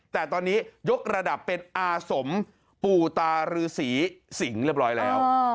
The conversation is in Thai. แต่ตอนนี้ยกระดับเป็นอาสมปู่ตารือศรีสิงห์เรียบร้อยแล้ว